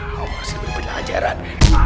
kamu harus berpelajaran